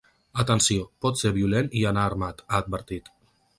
“Atenció, pot ser violent i anar armat”, ha advertit.